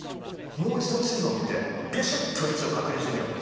もう一度地図を見てビシッと位置を確認してみよう。